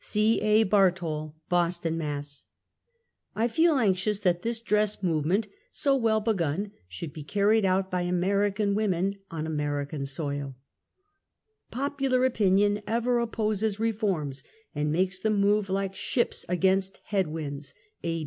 C. A. Bartoll, Boston, Mass. I feel anxious that this dress movement, so well begun, should be carried out by American women, on American soiL X Jf X ^■;< Popular opinion ever opposes reforms, and makes them move like ships against head winds. A.